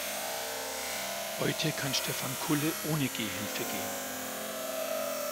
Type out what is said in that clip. Heute kann Stephan Kulle ohne Gehhilfe gehen.